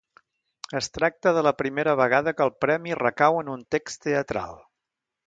Es tracta de la primera vegada que el premi recau en un text teatral.